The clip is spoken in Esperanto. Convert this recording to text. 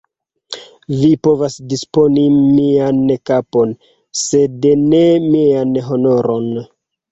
Vi povas disponi mian kapon, sed ne mian honoron!